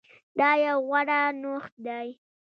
دا يو غوره نوښت ده